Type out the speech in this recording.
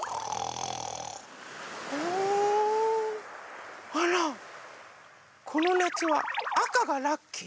おおあらこのなつはあかがラッキー？